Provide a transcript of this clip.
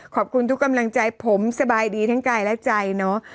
ขอบคุณทุกกำลังใจผมสบายดีทั้งกายและใจเนอะ